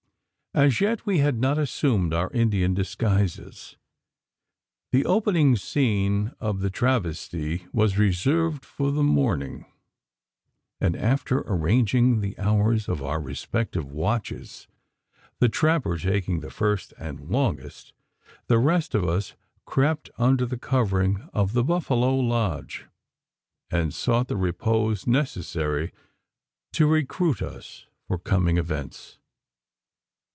As yet we had not assumed our Indian disguises. The opening scene of the travestie was reserved for the morning; and, after arranging the hours of our respective watches the trapper taking the first and longest the rest of us crept under the covering of the buffalo lodge, and sought that repose necessary to recruit us for coming events.